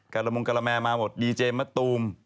ละมงกะละแมมาหมดดีเจมะตูม